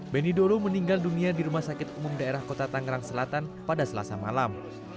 beni dolo meninggal dunia di rumah sakit umum daerah kota tangerang selatan pada selasa malam